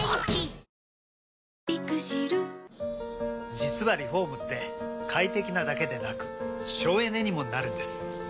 実はリフォームって快適なだけでなく省エネにもなるんです。